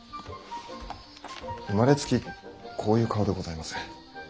生まれつきこういう顔でございます。